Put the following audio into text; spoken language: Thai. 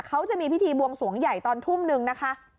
เขาจะมีพิธีบวงสวงใหญ่ตอนทุ่มนึงนะคะ